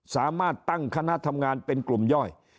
สามารถตั้งคณะทำงานเป็นกลุ่มย่อย